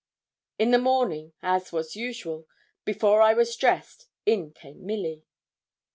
In the morning, as was usual, before I was dressed, in came Milly.